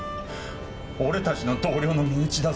俺たちの同僚の身内だぞ！